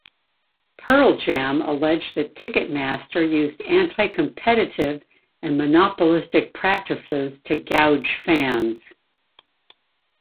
Pearl Jam alleged that Ticketmaster used anti-competitive and monopolistic practices to gouge fans.